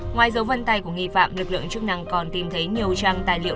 ngoài dấu vân tay của nghi phạm lực lượng chức năng còn tìm thấy nhiều trang tài liệu